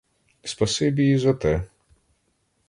Спасибі і за те.